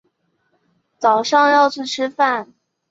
早上要去吃饭